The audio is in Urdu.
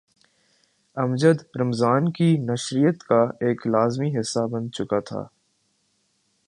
امجد رمضان کی نشریات کا ایک لازمی حصہ بن چکا تھا۔